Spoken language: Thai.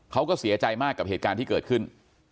เขาก็เสียใจมากกับเหตุการณ์ที่เกิดขึ้น